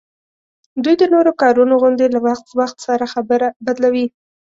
دوی د نورو کارونو غوندي له وخت وخت سره خبره بدلوي